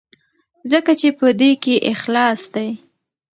ځکه چې په دې کې اخلاص دی.